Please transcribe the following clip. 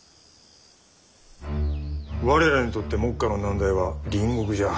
我らにとって目下の難題は隣国じゃ。